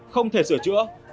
không thể sửa chữa